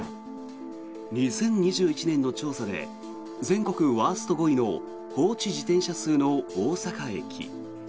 ２０２１年の調査で全国ワースト５位の放置自転車数の大阪駅。